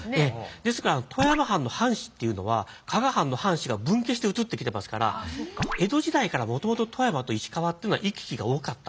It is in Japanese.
ですから富山藩の藩士っていうのは加賀藩の藩士が分家して移ってきてますから江戸時代からもともと富山と石川っていうのは行き来が多かった。